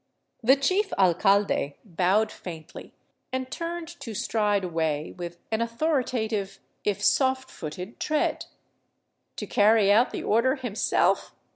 The chief alcalde bowed faintly and turned to stride away with an authorita tive, if soft footed tread. To carry out the order himself?